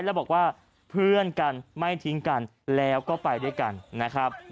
แล้วบอกว่าเพื่อนกันไม่ทิ้งกันแล้วก็ไปด้วยกันนะครับ